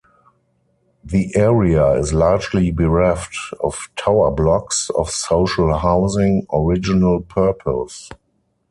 The area is largely bereft of tower blocks of social housing original purpose.